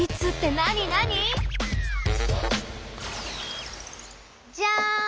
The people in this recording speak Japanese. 何？じゃん！